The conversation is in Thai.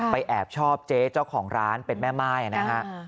แอบชอบเจ๊เจ้าของร้านเป็นแม่ม่ายนะฮะ